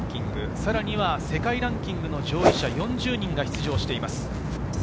さらには世界ランキングの上位者４０人が出場しています。